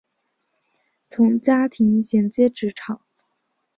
从家庭衔接职场